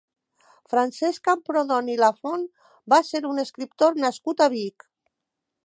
Francesc Camprodon i Lafont va ser un escriptor nascut a Vic.